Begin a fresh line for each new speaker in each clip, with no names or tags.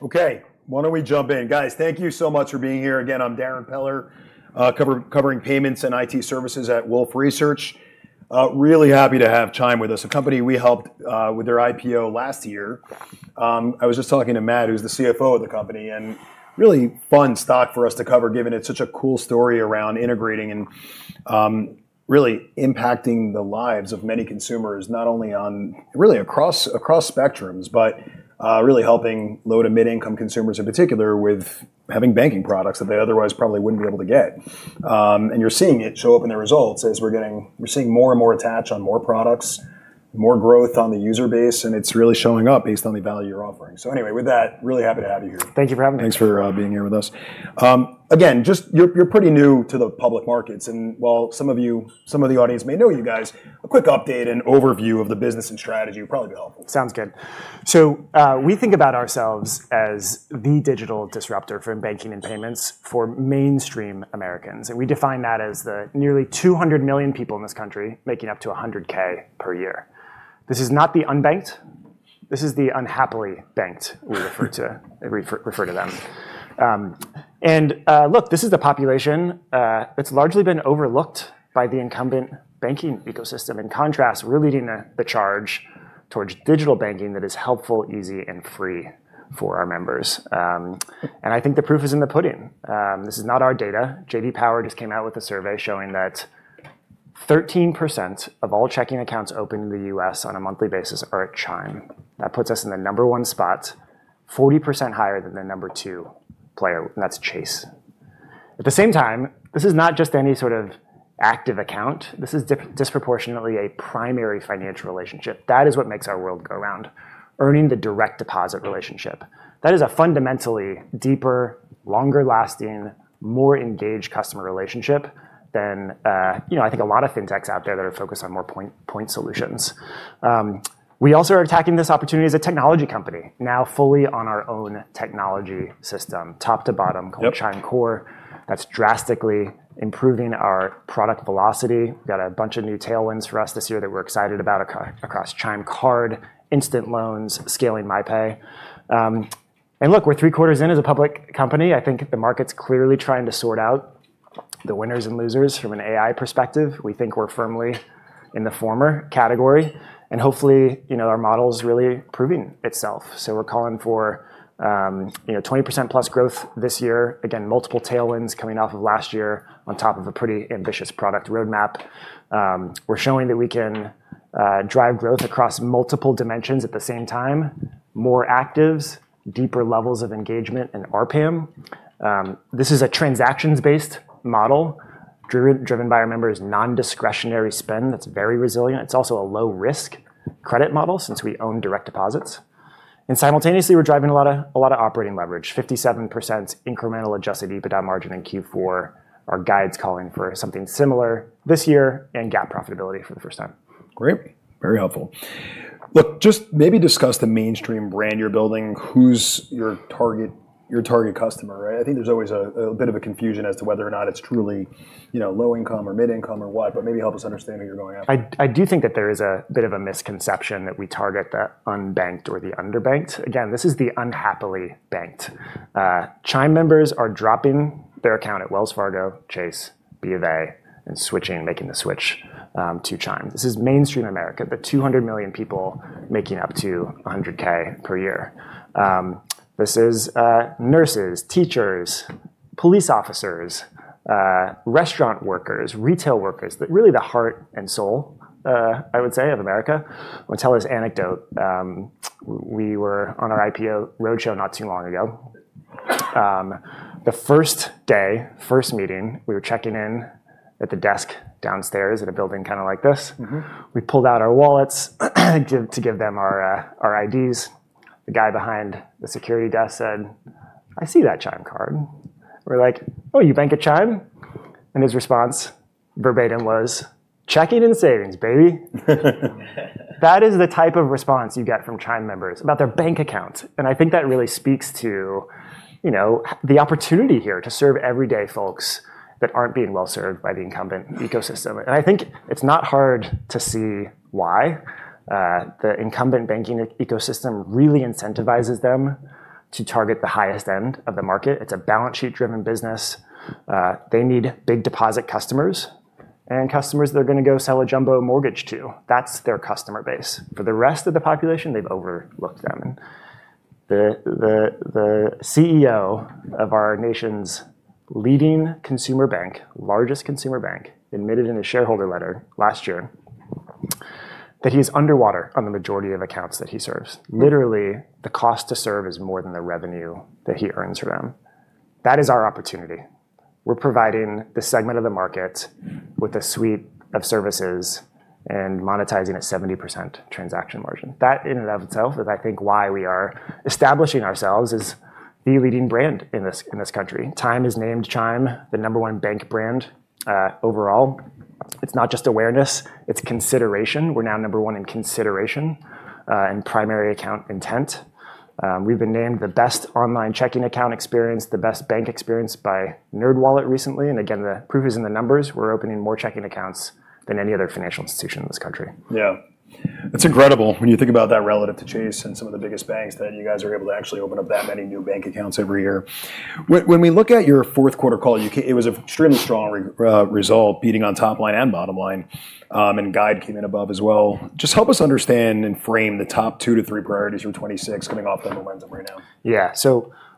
Okay, why don't we jump in? Guys, thank you so much for being here. Again, I'm Darrin Peller, covering payments and IT services at Wolfe Research. Really happy to have Chime with us, a company we helped with their IPO last year. I was just talking to Matt, who's the CFO of the company, and really fun stock for us to cover, given it's such a cool story around integrating and really impacting the lives of many consumers, not only on really across spectrums. Really helping low to mid-income consumers in particular with having banking products that they otherwise probably wouldn't be able to get. You're seeing it show up in the results as we're seeing more and more attach on more products, more growth on the user base, and it's really showing up based on the value you're offering. Anyway, with that, really happy to have you here.
Thank you for having me.
Thanks for being here with us. Again, just you're pretty new to the public markets, and while some of you, some of the audience may know you guys, a quick update and overview of the business and strategy would probably be helpful.
Sounds good. We think about ourselves as the digital disruptor for banking and payments for mainstream Americans, and we define that as the nearly 200 million people in this country making up to 100K per year. This is not the unbanked. This is the unhappily banked we refer to them. Look, this is the population that's largely been overlooked by the incumbent banking ecosystem. In contrast, we're leading the charge towards digital banking that is helpful, easy, and free for our members. I think the proof is in the pudding. This is not our data. J.D. Power just came out with a survey showing that 13% of all checking accounts opened in the U.S. on a monthly basis are at Chime. That puts us in the number one spot, 40% higher than the number two player, and that's Chase. At the same time, this is not just any sort of active account. This is disproportionately a primary financial relationship. That is what makes our world go round. Earning the direct deposit relationship. That is a fundamentally deeper, longer lasting, more engaged customer relationship than, you know, I think a lot of fintechs out there that are focused on more point solutions. We also are attacking this opportunity as a technology company, now fully on our own technology system top to bottom.
Yep
Called Chime Core, that's drastically improving our product velocity. Got a bunch of new tailwinds for us this year that we're excited about across Chime Card, Instant Loans, scaling MyPay. Look, we're three quarters in as a public company. I think the market's clearly trying to sort out the winners and losers from an AI perspective. We think we're firmly in the former category, and hopefully, you know, our model's really proving itself. We're calling for, you know, 20%+ growth this year. Again, multiple tailwinds coming off of last year on top of a pretty ambitious product roadmap. We're showing that we can drive growth across multiple dimensions at the same time, more actives, deeper levels of engagement and ARPM. This is a transactions-based model driven by our members' non-discretionary spend that's very resilient. It's also a low risk credit model since we own direct deposits. Simultaneously, we're driving a lot of operating leverage. 57% incremental adjusted EBITDA margin in Q4. Our guide's calling for something similar this year and GAAP profitability for the first time.
Great. Very helpful. Look, just maybe discuss the mainstream brand you're building. Who's your target customer, right? I think there's always a bit of a confusion as to whether or not it's truly, you know, low income or mid income or what, but maybe help us understand where you're going after.
I do think that there is a bit of a misconception that we target the unbanked or the underbanked. Again, this is the unhappily banked. Chime members are dropping their account at Wells Fargo, Chase, B of A and switching, making the switch, to Chime. This is mainstream America, the 200 million people making up to $100K per year. This is nurses, teachers, police officers, restaurant workers, retail workers. Really the heart and soul, I would say, of America. I'm gonna tell this anecdote. We were on our IPO roadshow not too long ago. The first day, first meeting, we were checking in at the desk downstairs at a building kinda like this.
Mm-hmm.
We pulled out our wallets to give them our IDs. The guy behind the security desk said, "I see that Chime card." We're like, "Oh, you bank at Chime?" His response verbatim was, "Checking and savings, baby." That is the type of response you get from Chime members about their bank account, and I think that really speaks to, you know, the opportunity here to serve everyday folks that aren't being well served by the incumbent ecosystem. I think it's not hard to see why. The incumbent banking ecosystem really incentivizes them to target the highest end of the market. It's a balance sheet driven business. They need big deposit customers and customers they're gonna go sell a jumbo mortgage to. That's their customer base. For the rest of the population, they've overlooked them. The CEO of our nation's leading consumer bank, largest consumer bank, admitted in a shareholder letter last year that he's underwater on the majority of accounts that he serves. Literally, the cost to serve is more than the revenue that he earns from them. That is our opportunity. We're providing the segment of the market with a suite of services and monetizing at 70% transaction margin. That in and of itself is I think why we are establishing ourselves as the leading brand in this country. Time has named Chime the number one bank brand overall. It's not just awareness, it's consideration. We're now number one in consideration and primary account intent. We've been named the best online checking account experience, the best bank experience by NerdWallet recently. Again, the proof is in the numbers. We're opening more checking accounts than any other financial institution in this country.
Yeah. It's incredible when you think about that relative to Chase and some of the biggest banks, that you guys are able to actually open up that many new bank accounts every year. When we look at your fourth quarter call, it was an extremely strong result, beating on top line and bottom line. Guide came in above as well. Just help us understand and frame the top two to three priorities for 2026 coming off the momentum right now?
Yeah.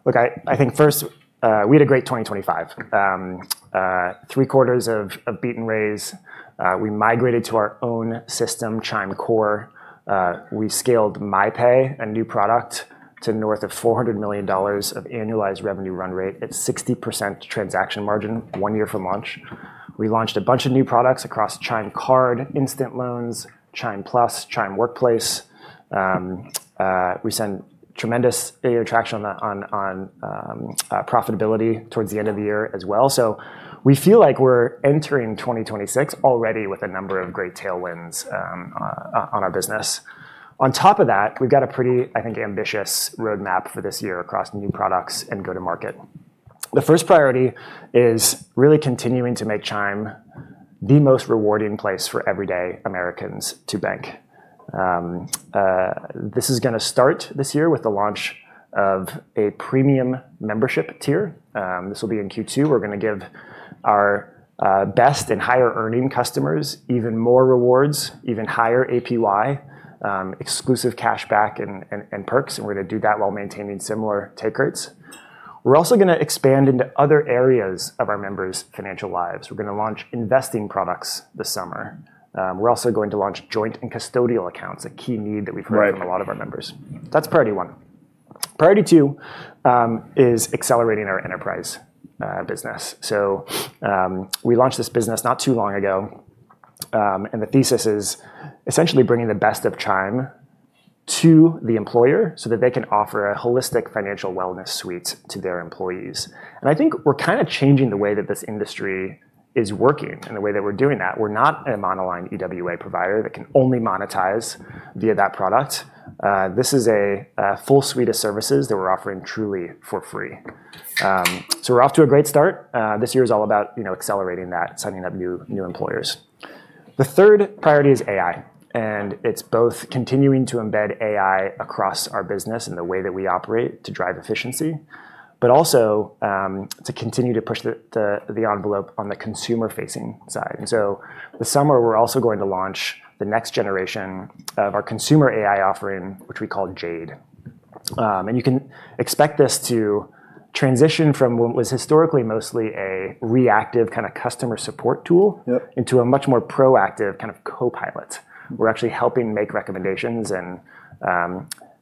Look, I think first, we had a great 2025. Three-quarters of beat and raise. We migrated to our own system, Chime Core. We scaled MyPay, a new product, to north of $400 million of annualized revenue run rate at 60% transaction margin one year from launch. We launched a bunch of new products across Chime Card, Instant Loans, Chime+, Chime Workplace. We saw tremendous data traction on that, on profitability towards the end of the year as well. We feel like we're entering 2026 already with a number of great tailwinds on our business. On top of that, we've got a pretty, I think, ambitious roadmap for this year across new products and go-to-market. The first priority is really continuing to make Chime the most rewarding place for everyday Americans to bank. This is gonna start this year with the launch of a premium membership tier. This will be in Q2. We're gonna give our best and higher earning customers even more rewards, even higher APY, exclusive cashback and perks. We're gonna do that while maintaining similar take rates. We're also gonna expand into other areas of our members' financial lives. We're gonna launch investing products this summer. We're also going to launch joint and custodial accounts, a key need that we've heard.
Right
From a lot of our members. That's priority one. Priority two is accelerating our enterprise business. We launched this business not too long ago, and the thesis is essentially bringing the best of Chime to the employer so that they can offer a holistic financial wellness suite to their employees. I think we're kinda changing the way that this industry is working and the way that we're doing that. We're not a monoline EWA provider that can only monetize via that product. This is a full suite of services that we're offering truly for free. We're off to a great start. This year is all about, you know, accelerating that, signing up new employers. The third priority is AI, and it's both continuing to embed AI across our business and the way that we operate to drive efficiency, but also to continue to push the envelope on the consumer-facing side. This summer, we're also going to launch the next generation of our consumer AI offering, which we call Jade. You can expect this to transition from what was historically mostly a reactive kinda customer support tool.
Yep
into a much more proactive kind of copilot. We're actually helping make recommendations and,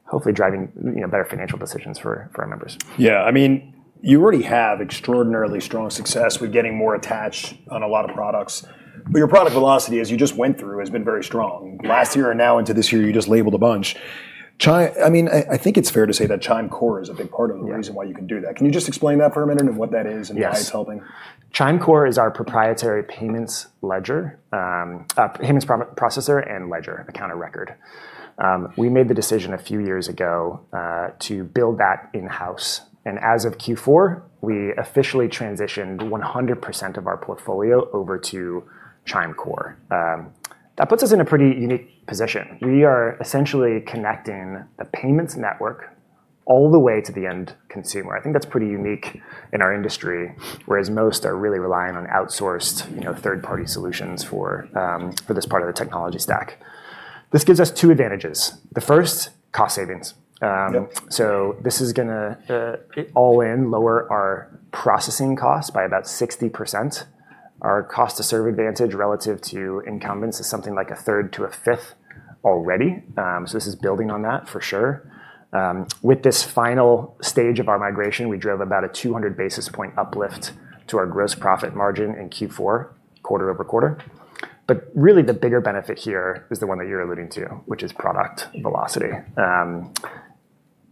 hopefully driving, you know, better financial decisions for our members.
Yeah. I mean, you already have extraordinarily strong success with getting more attach on a lot of products. Your product velocity, as you just went through, has been very strong. Last year and now into this year, you just launched a bunch. I mean, I think it's fair to say that Chime Core is a big part of the reason why you can do that. Can you just explain that for a minute and what that is and how it's helping?
Yes. Chime Core is our proprietary payments ledger, payments processor and ledger, account of record. We made the decision a few years ago to build that in-house. As of Q4, we officially transitioned 100% of our portfolio over to Chime Core. That puts us in a pretty unique position. We are essentially connecting the payments network all the way to the end consumer. I think that's pretty unique in our industry, whereas most are really relying on outsourced, you know, third-party solutions for this part of the technology stack. This gives us two advantages. The first, cost savings.
Yep
This is gonna all-in lower our processing cost by about 60%. Our cost to serve advantage relative to incumbents is something like a third to a fifth already. This is building on that for sure. With this final stage of our migration, we drove about a 200 basis point uplift to our gross profit margin in Q4, quarter over quarter. Really the bigger benefit here is the one that you're alluding to, which is product velocity.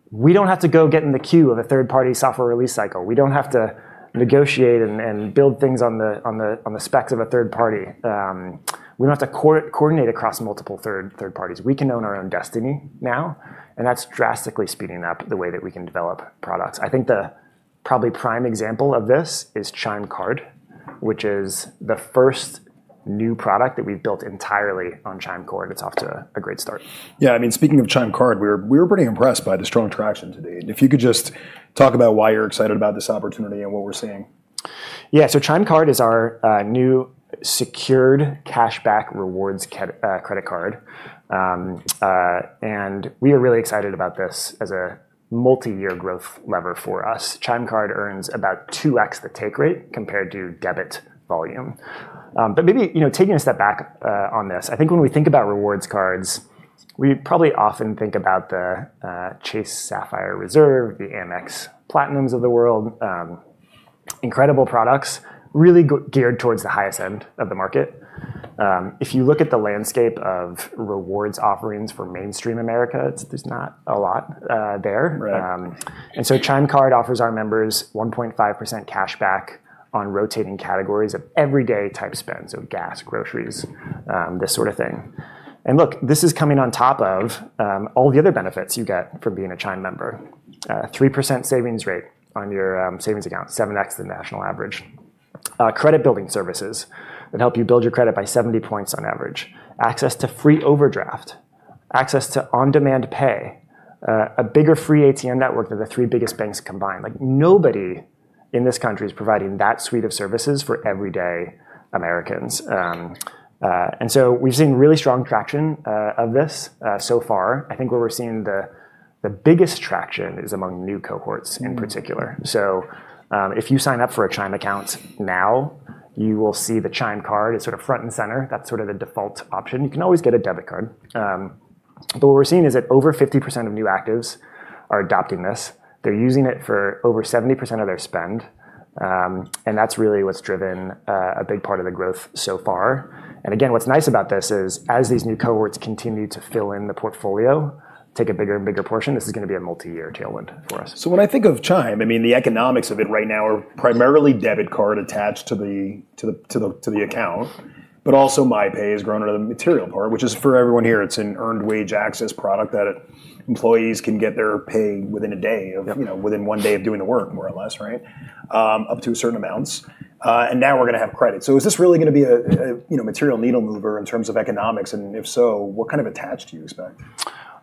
We don't have to go get in the queue of a third-party software release cycle. We don't have to negotiate and build things on the specs of a third party. We don't have to coordinate across multiple third parties. We can own our own destiny now, and that's drastically speeding up the way that we can develop products. I think the prime example of this is Chime Card, which is the first new product that we've built entirely on Chime Core, and it's off to a great start.
Yeah. I mean, speaking of Chime Card, we're pretty impressed by the strong traction to date. If you could just talk about why you're excited about this opportunity and what we're seeing?
Yeah. Chime Card is our new secured cashback rewards credit card. We are really excited about this as a multi-year growth lever for us. Chime Card earns about 2x the take rate compared to debit volume. Maybe, you know, taking a step back on this, I think when we think about rewards cards, we probably often think about the Chase Sapphire Reserve, the Amex Platinums of the world. Incredible products really geared towards the highest end of the market. If you look at the landscape of rewards offerings for mainstream America, there's not a lot there.
Right.
Chime Card offers our members 1.5% cash back on rotating categories of everyday type spend, so gas, groceries, this sort of thing. Look, this is coming on top of all the other benefits you get from being a Chime member. 3% savings rate on your savings account, 7x the national average. Credit building services that help you build your credit by 70 points on average. Access to free overdraft, access to on-demand pay, a bigger free ATM network than the three biggest banks combined. Like, nobody in this country is providing that suite of services for everyday Americans. We've seen really strong traction of this so far. I think where we're seeing the biggest traction is among new cohorts in particular.
Mm-hmm.
If you sign up for a Chime account now, you will see the Chime Card is sort of front and center. That's sort of the default option. You can always get a debit card. But what we're seeing is that over 50% of new actives are adopting this. They're using it for over 70% of their spend. And that's really what's driven a big part of the growth so far. Again, what's nice about this is as these new cohorts continue to fill in the portfolio, take a bigger and bigger portion, this is gonna be a multi-year tailwind for us.
When I think of Chime, I mean, the economics of it right now are primarily debit card attached to the account. Also MyPay has grown into the material part, which is for everyone here, it's an earned wage access product that employees can get their pay within a day of-
Yep.
You know, within one day of doing the work more or less, right? Up to certain amounts. Now we're gonna have credit. Is this really gonna be a, you know, material needle mover in terms of economics? And if so, what kind of attach do you expect?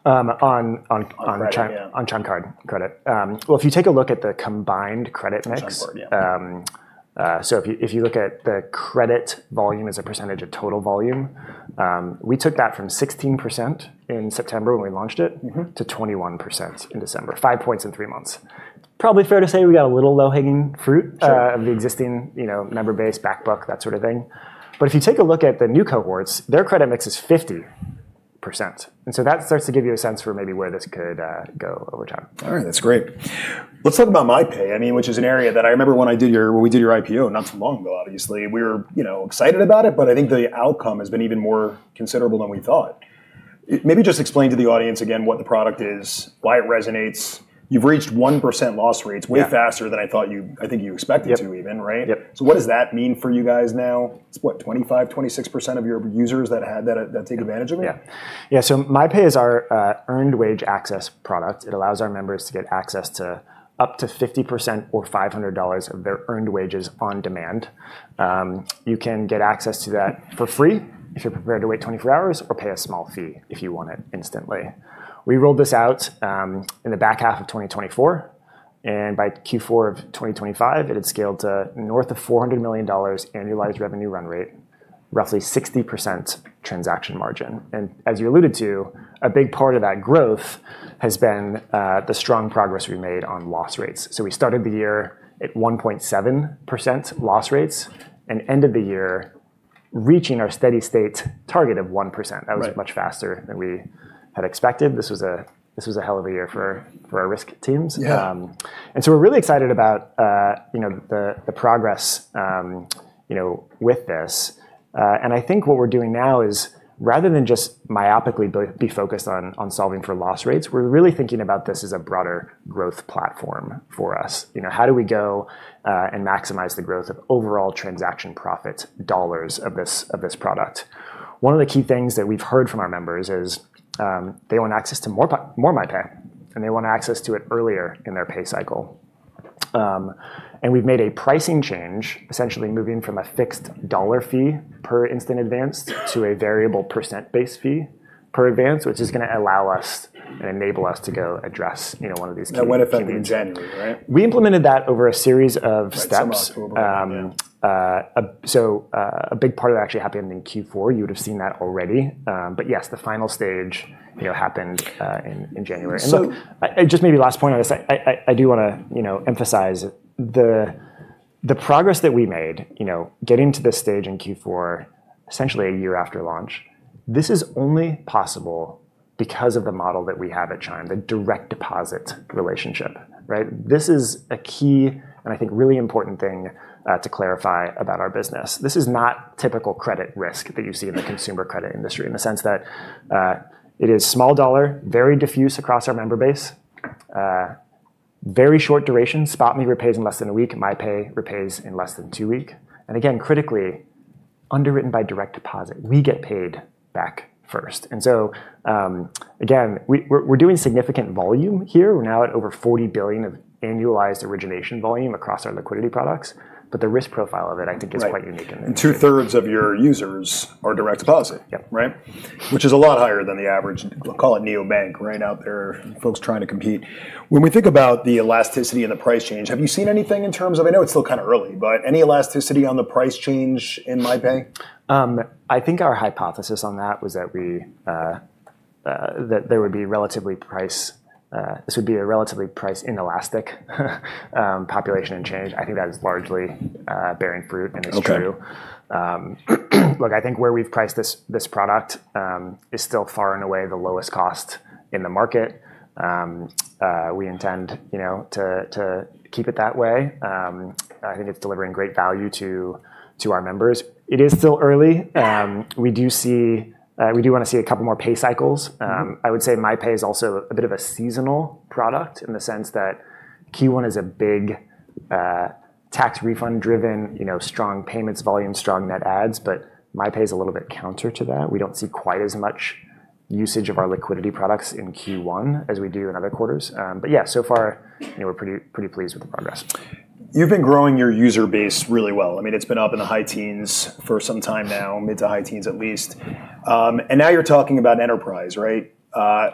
Um, on, on, on Chi-
On credit, yeah.
On Chime Card credit. Well, if you take a look at the combined credit mix.
On Chime Card, yeah.
If you look at the credit volume as a percentage of total volume, we took that from 16% in September when we launched it.
Mm-hmm.
To 21% in December. five points in three months. Probably fair to say we got a little low-hanging fruit.
Sure.
Of the existing, you know, member base, back book, that sort of thing. If you take a look at the new cohorts, their credit mix is 50%. That starts to give you a sense for maybe where this could go over time.
All right. That's great. Let's talk about MyPay, I mean, which is an area that I remember when we did your IPO not too long ago, obviously, we were, you know, excited about it, but I think the outcome has been even more considerable than we thought. Maybe just explain to the audience again what the product is, why it resonates. You've reached 1% loss rates.
Yeah.
Way faster than I thought. I think you expected to even, right?
Yep. Yep.
What does that mean for you guys now? It's what? 25-26% of your users that had that take advantage of it?
Yeah. MyPay is our earned wage access product. It allows our members to get access to up to 50% or $500 of their earned wages on demand. You can get access to that for free if you're prepared to wait 24 hours, or pay a small fee if you want it instantly. We rolled this out in the back half of 2024, and by Q4 of 2025, it had scaled to north of $400 million annualized revenue run rate, roughly 60% transaction margin. As you alluded to, a big part of that growth has been the strong progress we made on loss rates. We started the year at 1.7% loss rates, and end of the year reaching our steady-state target of 1%.
Right.
That was much faster than we had expected. This was a hell of a year for our risk teams.
Yeah.
We're really excited about, you know, the progress, you know, with this. I think what we're doing now is rather than just myopically being focused on solving for loss rates, we're really thinking about this as a broader growth platform for us. You know, how do we go and maximize the growth of overall transaction profit dollars of this product? One of the key things that we've heard from our members is they want access to more MyPay, and they want access to it earlier in their pay cycle. We've made a pricing change, essentially moving from a fixed dollar fee per instant advance to a variable percent-based fee per advance, which is gonna allow us and enable us to go address, you know, one of these key needs.
Now went into effect in January, right?
We implemented that over a series of steps.
Right. Some are global. Yeah.
A big part of it actually happened in Q4. You would've seen that already. Yes, the final stage, you know, happened in January.
So-
Look, and just maybe last point on this, I do wanna, you know, emphasize the progress that we made, you know, getting to this stage in Q4, essentially a year after launch. This is only possible because of the model that we have at Chime, the direct deposit relationship, right? This is a key, and I think really important thing to clarify about our business. This is not typical credit risk that you see in the consumer credit industry, in the sense that it is small dollar, very diffuse across our member base, very short duration. SpotMe repays in less than a week. MyPay repays in less than two weeks. Again, critically underwritten by direct deposit. We get paid back first. Again, we're doing significant volume here. We're now at over $40 billion of annualized origination volume across our liquidity products, but the risk profile of it, I think, is quite unique in the industry.
Right. 2/3 of your users are direct deposit.
Yep.
Right? Which is a lot higher than the average, call it Neobank right out there, folks trying to compete. When we think about the elasticity and the price change, have you seen anything in terms of, I know it's still kinda early, but any elasticity on the price change in MyPay?
I think our hypothesis on that was that there would be a relatively price inelastic population and change. I think that is largely bearing fruit and is true.
Okay.
Look, I think where we've priced this product is still far and away the lowest cost in the market. We intend, you know, to keep it that way. I think it's delivering great value to our members. It is still early. We do see, we do wanna see a couple more pay cycles. I would say MyPay is also a bit of a seasonal product in the sense that Q1 is a big tax refund driven, you know, strong payments volume, strong net adds, but MyPay is a little bit counter to that. We don't see quite as much usage of our liquidity products in Q1 as we do in other quarters. Yeah, so far, you know, we're pretty pleased with the progress.
You've been growing your user base really well. I mean, it's been up in the high teens for some time now, mid- to high teens at least. Now you're talking about enterprise, right?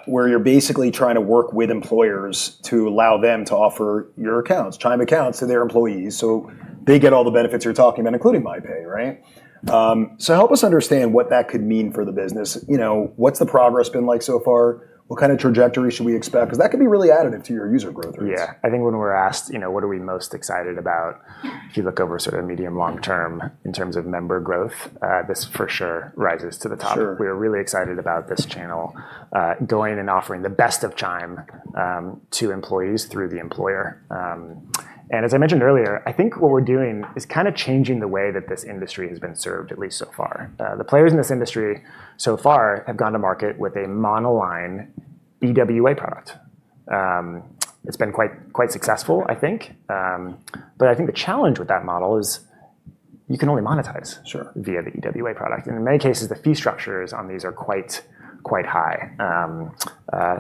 Where you're basically trying to work with employers to allow them to offer your accounts, Chime accounts to their employees, so they get all the benefits you're talking about, including MyPay, right? So help us understand what that could mean for the business. You know, what's the progress been like so far? What kind of trajectory should we expect? Because that could be really additive to your user growth rates?
Yeah. I think when we're asked, you know, what are we most excited about if you look over sort of medium long term in terms of member growth, this for sure rises to the top.
Sure.
We're really excited about this channel, going and offering the best of Chime to employees through the employer. As I mentioned earlier, I think what we're doing is kinda changing the way that this industry has been served, at least so far. The players in this industry so far have gone to market with a monoline EWA product. It's been quite successful I think. I think the challenge with that model is you can only monetize.
Sure...
via the EWA product. In many cases, the fee structures on these are quite high.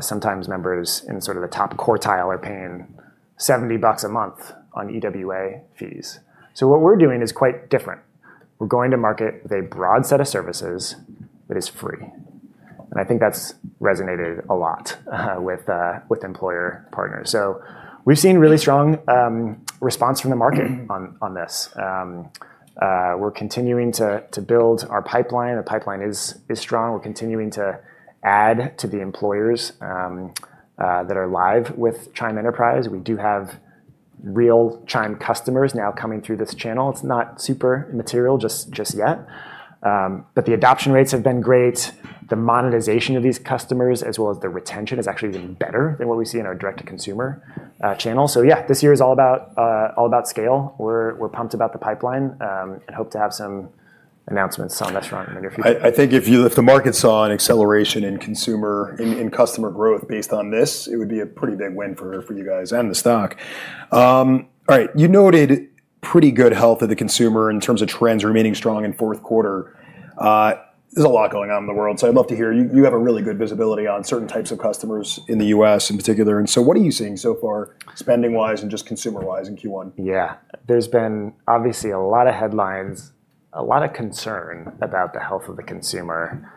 Sometimes members in sort of the top quartile are paying $70 a month on EWA fees. What we're doing is quite different. We're going to market with a broad set of services that is free, and I think that's resonated a lot with employer partners. We've seen really strong response from the market on this. We're continuing to build our pipeline. The pipeline is strong. We're continuing to add to the employers that are live with Chime Enterprise. We do have real Chime customers now coming through this channel. It's not super material just yet. The adoption rates have been great. The monetization of these customers as well as the retention has actually been better than what we see in our direct to consumer channel. Yeah, this year is all about scale. We're pumped about the pipeline and hope to have some announcements on that front in the near future.
I think if the market saw an acceleration in customer growth based on this, it would be a pretty big win for you guys and the stock. All right. You noted pretty good health of the consumer in terms of trends remaining strong in fourth quarter. There's a lot going on in the world, so I'd love to hear. You have a really good visibility on certain types of customers in the U.S. in particular, and so what are you seeing so far spending-wise and just consumer-wise in Q1?
Yeah. There's been obviously a lot of headlines, a lot of concern about the health of the consumer.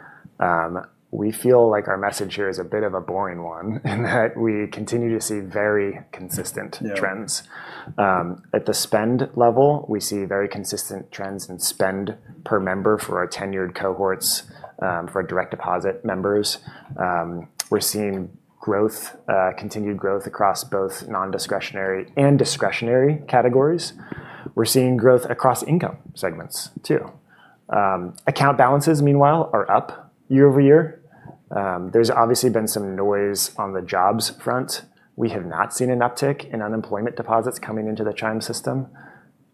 We feel like our message here is a bit of a boring one in that we continue to see very consistent.
Yeah...
trends. At the spend level, we see very consistent trends in spend per member for our tenured cohorts, for our direct deposit members. We're seeing growth, continued growth across both non-discretionary and discretionary categories. We're seeing growth across income segments too. Account balances meanwhile are up year-over-year. There's obviously been some noise on the jobs front. We have not seen an uptick in unemployment deposits coming into the Chime system.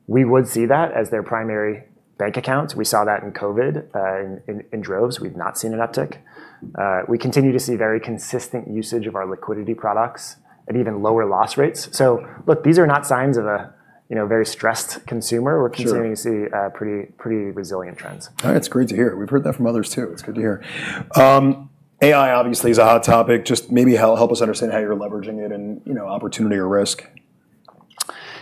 We would see that as their primary bank accounts. We saw that in COVID, in droves. We've not seen an uptick. We continue to see very consistent usage of our liquidity products at even lower loss rates. Look, these are not signs of a, you know, very stressed consumer.
Sure.
We're continuing to see pretty resilient trends.
All right. It's great to hear. We've heard that from others too. It's good to hear. AI obviously is a hot topic. Just maybe help us understand how you're leveraging it and, you know, opportunity or risk?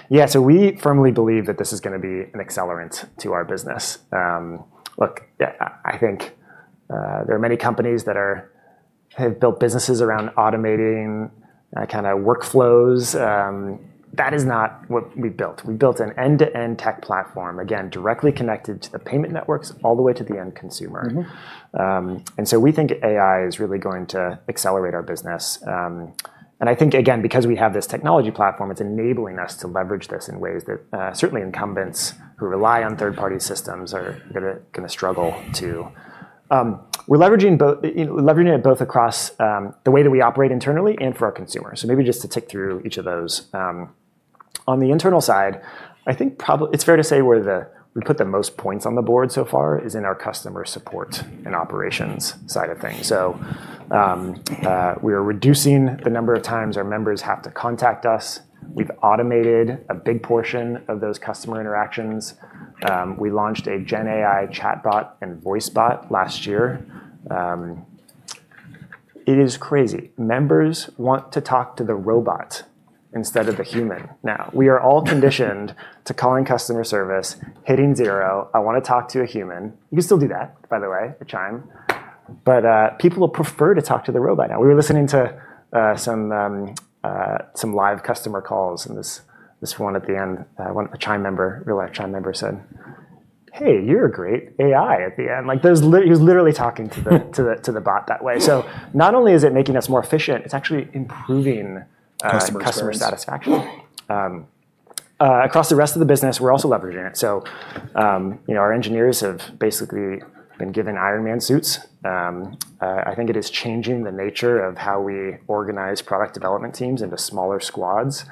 Yeah. We firmly believe that this is gonna be an accelerant to our business. Look, I think there are many companies that have built businesses around automating kinda workflows. That is not what we built. We built an end-to-end tech platform, again, directly connected to the payment networks all the way to the end consumer.
Mm-hmm.
We think AI is really going to accelerate our business. I think again, because we have this technology platform, it's enabling us to leverage this in ways that certainly incumbents who rely on third-party systems are gonna struggle to. We're leveraging both. You know, leveraging it both across the way that we operate internally and for our consumers. Maybe just to tick through each of those. On the internal side, I think it's fair to say we put the most points on the board so far is in our customer support and operations side of things. We are reducing the number of times our members have to contact us. We've automated a big portion of those customer interactions. We launched a GenAI chatbot and voice bot last year. It is crazy. Members want to talk to the robot instead of the human now. We are all conditioned to calling customer service, hitting zero, I wanna talk to a human. You can still do that, by the way, at Chime, but people prefer to talk to the robot now. We were listening to some live customer calls, and this one at the end, a Chime member, real life Chime member said, "Hey, you're a great AI" at the end. Like, he was literally talking to the bot that way. Not only is it making us more efficient, it's actually improving.
Customer Service
Customer satisfaction. Across the rest of the business, we're also leveraging it. You know, our engineers have basically been given Iron Man suits. I think it is changing the nature of how we organize product development teams into smaller squads,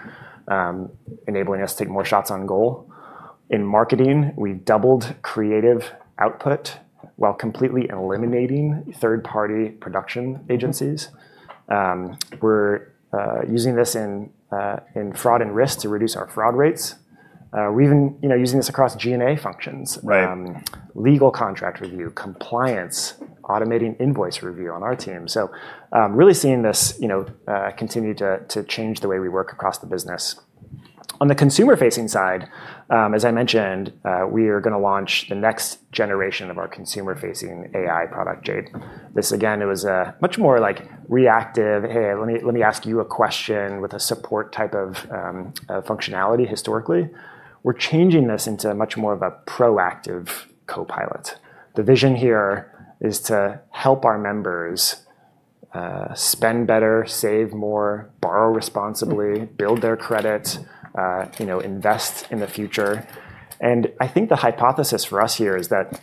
enabling us to take more shots on goal. In marketing, we've doubled creative output while completely eliminating third-party production agencies. We're using this in fraud and risk to reduce our fraud rates. We're even, you know, using this across G&A functions.
Right.
Legal contract review, compliance, automating invoice review on our team. Really seeing this, you know, continue to change the way we work across the business. On the consumer-facing side, as I mentioned, we are gonna launch the next generation of our consumer-facing AI product, Jade. This again was a much more like reactive, "Hey, let me ask you a question with a support type of functionality historically." We're changing this into much more of a proactive copilot. The vision here is to help our members spend better, save more, borrow responsibly.
Mm-hmm.
Build their credit, you know, invest in the future. I think the hypothesis for us here is that,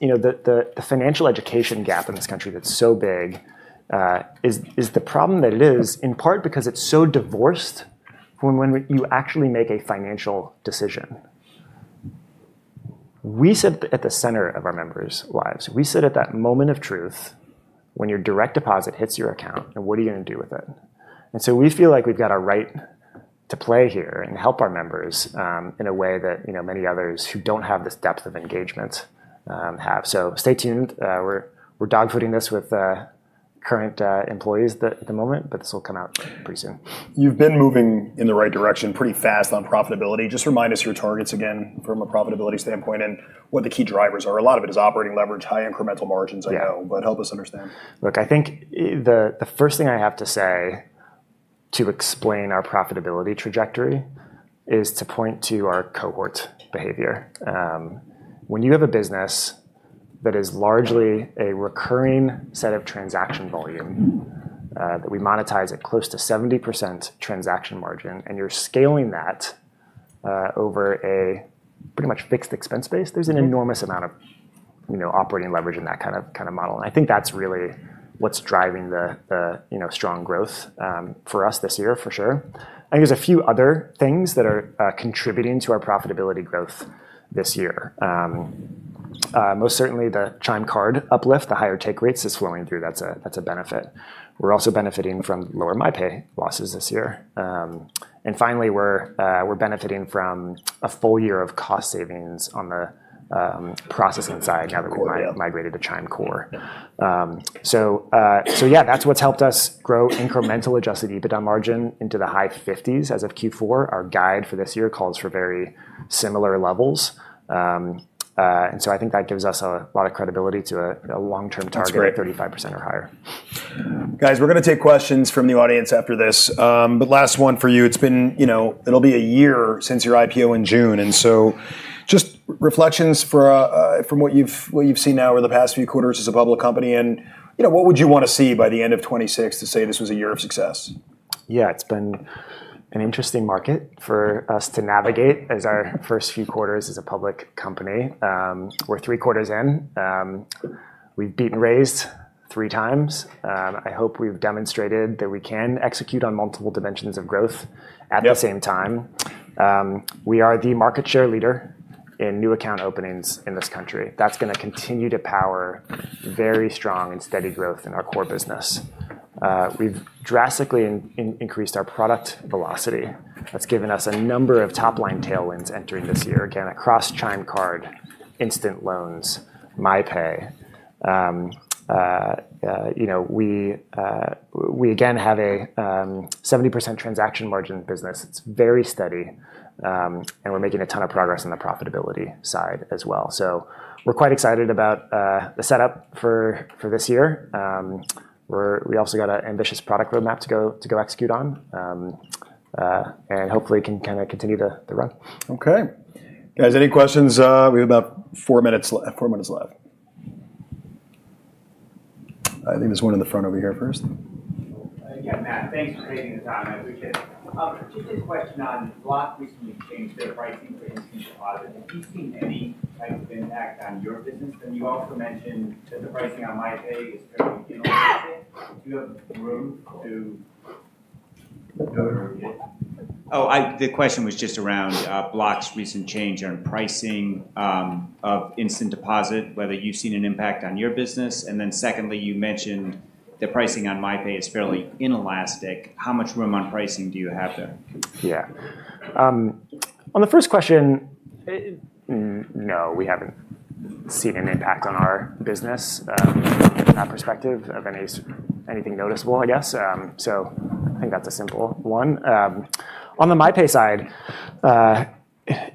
you know, the financial education gap in this country that's so big, is the problem that it is in part because it's so divorced from when you actually make a financial decision. We sit at the center of our members' lives. We sit at that moment of truth when your direct deposit hits your account, and what are you gonna do with it? We feel like we've got a right to play here and help our members, in a way that, you know, many others who don't have this depth of engagement, have. Stay tuned. We're dogfooding this with current employees at the moment, but this will come out pretty soon.
You've been moving in the right direction pretty fast on profitability. Just remind us your targets again from a profitability standpoint and what the key drivers are. A lot of it is operating leverage, high incremental margins.
Yeah.
I know, but help us understand?
Look, I think the first thing I have to say to explain our profitability trajectory is to point to our cohort behavior. When you have a business that is largely a recurring set of transaction volume, that we monetize at close to 70% transaction margin, and you're scaling that, over a pretty much fixed expense base.
Mm-hmm.
There's an enormous amount of, you know, operating leverage in that model. I think that's really what's driving the, you know, strong growth for us this year for sure. I think there's a few other things that are contributing to our profitability growth this year. Most certainly the Chime Card uplift, the higher take rates is flowing through. That's a benefit. We're also benefiting from lower MyPay losses this year. Finally, we're benefiting from a full year of cost savings on the processing side.
Chime Core, yeah.
now that we've migrated to Chime Core.
Yeah.
Yeah, that's what's helped us grow incremental adjusted EBITDA margin into the high 50s% as of Q4. Our guide for this year calls for very similar levels. I think that gives us a lot of credibility to a, you know, long-term target.
That's great.
of 35% or higher.
Guys, we're gonna take questions from the audience after this. Last one for you. It's been, you know, it'll be a year since your IPO in June, and so just reflections from what you've seen now over the past few quarters as a public company and, you know, what would you want to see by the end of 2026 to say this was a year of success?
Yeah. It's been an interesting market for us to navigate as our first few quarters as a public company. We're three quarters in. We've beat and raised three times. I hope we've demonstrated that we can execute on multiple dimensions of growth.
Yep.
At the same time. We are the market share leader in new account openings in this country. That's gonna continue to power very strong and steady growth in our core business. We've drastically increased our product velocity. That's given us a number of top-line tailwinds entering this year, again, across Chime Card, Instant Loans, MyPay. You know, we again have a 70% transaction margin business. It's very steady, and we're making a ton of progress on the profitability side as well. We're quite excited about the setup for this year. We also got an ambitious product roadmap to execute on, and hopefully can kind of continue the run.
Okay. Guys, any questions? We have about four minutes left. I think there's one in the front over here first.
Again, Matt, thanks for taking the time. I appreciate it. Just a question on Block recently changed their pricing for instant deposit. Have you seen any type of impact on your business? You also mentioned that the pricing on MyPay is fairly inelastic. Do you have room to maneuver it? The question was just around Block's recent change on pricing of instant deposit, whether you've seen an impact on your business. Then secondly, you mentioned the pricing on MyPay is fairly inelastic. How much room on pricing do you have there?
Yeah. On the first question, no, we haven't seen an impact on our business, from that perspective of anything noticeable, I guess. I think that's a simple one. On the MyPay side,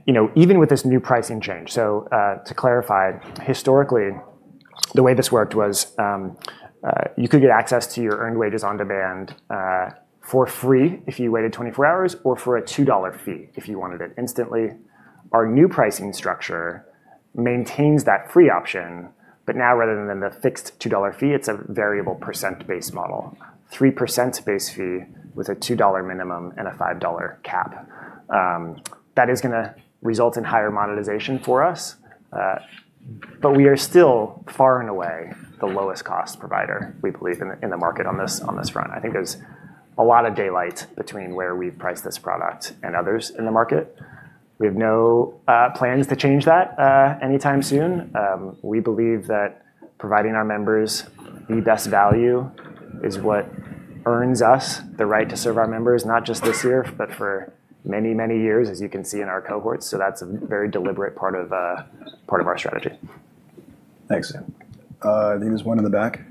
you know, even with this new pricing change, to clarify, historically, the way this worked was, you could get access to your earned wages on demand, for free if you waited 24 hours or for a $2 fee if you wanted it instantly. Our new pricing structure maintains that free option, but now rather than the fixed $2 fee, it's a variable percent-based model. 3% base fee with a $2 minimum and a $5 cap. That is gonna result in higher monetization for us. We are still far and away the lowest cost provider, we believe in the market on this front. I think there's a lot of daylight between where we've priced this product and others in the market. We have no plans to change that anytime soon. We believe that providing our members the best value is what earns us the right to serve our members, not just this year, but for many, many years, as you can see in our cohorts. That's a very deliberate part of our strategy.
Thanks. I think there's one in the back.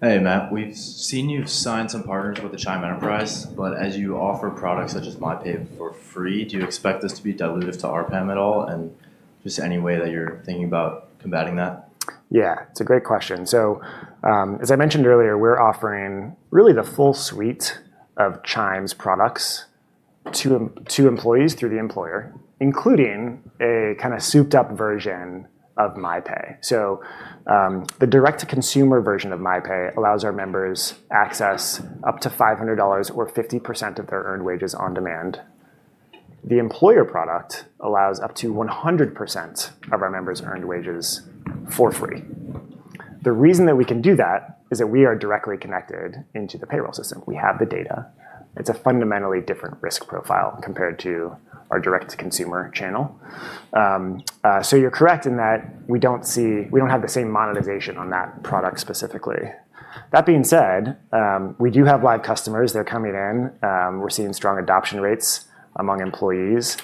Hey, Matt. We've seen you sign some partners with the Chime Enterprise, but as you offer products such as MyPay for free, do you expect this to be dilutive to ARPM at all? Just any way that you're thinking about combating that?
Yeah, it's a great question. As I mentioned earlier, we're offering really the full suite of Chime's products to employees through the employer, including a kinda souped-up version of MyPay. The direct-to-consumer version of MyPay allows our members access up to $500 or 50% of their earned wages on demand. The employer product allows up to 100% of our members' earned wages for free. The reason that we can do that is that we are directly connected into the payroll system. We have the data. It's a fundamentally different risk profile compared to our direct-to-consumer channel. You're correct in that we don't see. We don't have the same monetization on that product specifically. That being said, we do have live customers. They're coming in. We're seeing strong adoption rates among employees.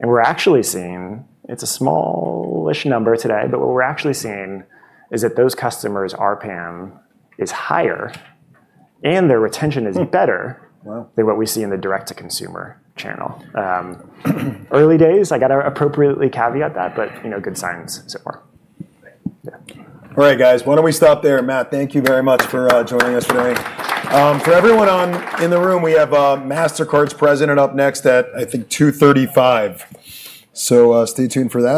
It's a smallish number today, but what we're actually seeing is that those customers' ARPM is higher, and their retention is better.
Wow.
Than what we see in the direct-to-consumer channel. Early days, I gotta appropriately caveat that, but, you know, good signs so far.
Great.
Yeah.
All right, guys. Why don't we stop there? Matt, thank you very much for joining us today. For everyone in the room, we have Mastercard's president up next at, I think, 2:35 P.M. Stay tuned for that.